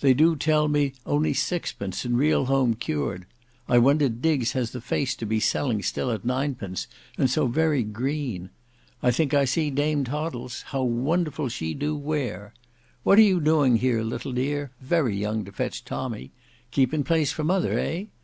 They do tell me only sixpence and real home cured. I wonder Diggs has the face to be selling still at nine pence, and so very green! I think I see Dame Toddles; how wonderful she do wear! What are you doing here, little dear; very young to fetch tommy; keeping place for mother, eh!